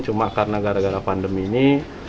cuma karena gara gara pandemi ini